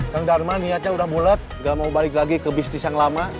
kang darma niatnya udah bulat gak mau balik lagi ke bisnis yang lama